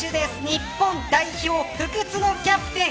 日本代表、不屈のキャプテン。